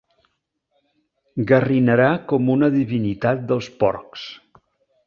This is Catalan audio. Garrinarà com una divinitat dels porcs.